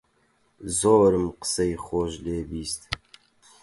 زۆرم قسەی خۆش لێ بیست